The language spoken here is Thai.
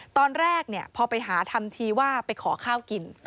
ตอนแรกพอไปหาทำทีว่าไปขอข้าวกิน